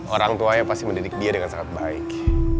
orang tuanya pasti mendidik dia dengan sangat baik